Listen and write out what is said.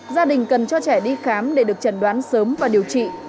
gia đình cần cho trẻ đi khám để được trần đoán sớm và điều trị